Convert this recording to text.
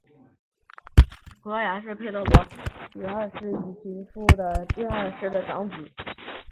佩德罗是葡萄牙女王玛莉亚二世与其夫葡萄牙国王费南度二世的长子。